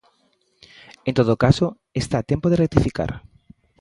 En todo caso, está a tempo de rectificar.